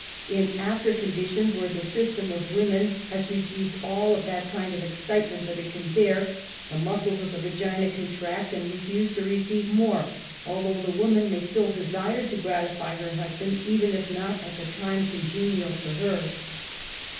In after conditions where 'the system of woman has received all of that kind of excitement that it can bear, the muscles of the vagina contract and refuse to receive more, although the woman may still desire to gratify her husband even if not at the time congenial to her.